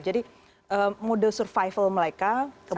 jadi mode survival mereka sangat tinggi